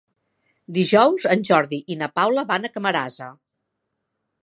Dijous en Jordi i na Paula van a Camarasa.